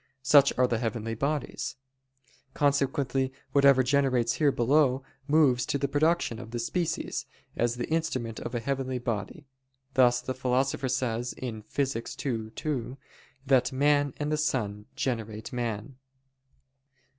Such are the heavenly bodies. Consequently whatever generates here below, moves to the production of the species, as the instrument of a heavenly body: thus the Philosopher says (Phys. ii, 2) that "man and the sun generate man."